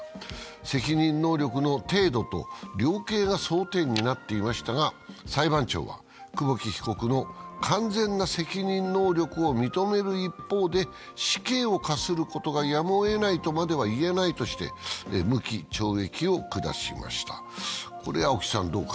責任能力の程度と量刑が争点になっていましたが、裁判長は、久保木被告の完全な責任能力を認める一方で死刑を科することがやむをえないとまではいえないとして無期懲役を下しました。